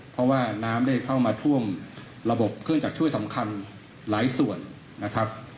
เพราะว่าน้ำได้เข้ามาท่วมระบบเครื่องจักรช่วยสำคัญหลายส่วนนะครับ